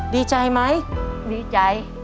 ดีใจไหมดีใจ